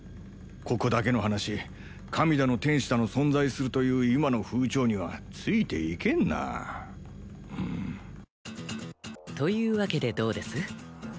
ここだけの話神だの天使だの存在するという今の風潮にはついていけんなというわけでどうです？